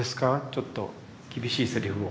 ちょっと厳しいセリフを。